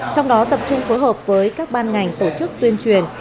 trong đó tập trung phối hợp với các ban ngành tổ chức tuyên truyền